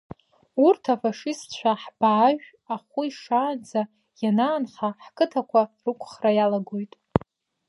Урҭ афашистцәа ҳбаажә ахәы ишаанӡа ианаанха ҳқыҭақәа рықәхра иалагоит.